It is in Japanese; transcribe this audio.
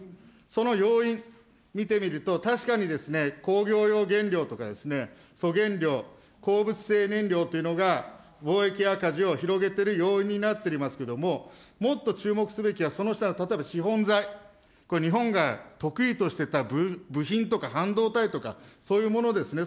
その要因見てみると、確かにですね、工業用原料とか、粗原料、鉱物性燃料というのが、貿易赤字を広げている要因になっておりますけれども、もっと注目すべきはその下の例えば資本財、これ、日本が得意としてた部品とか半導体とか、そういうものですね。